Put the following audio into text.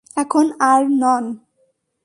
এখন আর নন!